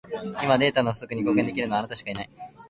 今、データの不足に貢献できるのは、あなたしかいない。